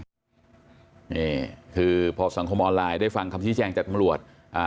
นี่คือพอสังคมออนไลน์ได้ฟังคำชี้แจงจากตำรวจอ่า